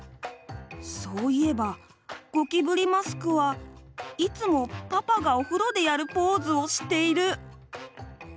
そういえば、ゴキブリマスクはいつもパパがおふろでやるポーズをしている。